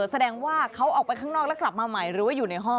แสดงว่าเขาออกไปข้างนอกแล้วกลับมาใหม่หรือว่าอยู่ในห้อง